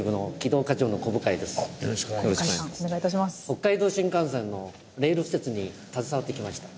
北海道新幹線のレール敷設に携わってきました。